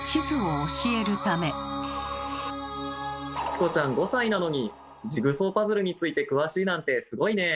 チコちゃん５歳なのにジグソーパズルについて詳しいなんてすごいね。